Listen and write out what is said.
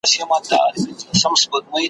تر څو چي ته یې زه راځمه بې سلا راځمه `